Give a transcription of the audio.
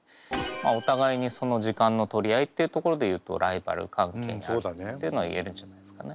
お互いにその時間の取り合いっていうところでいうとライバル関係にあるっていうのは言えるんじゃないですかね。